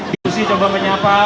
bu susi coba menyapa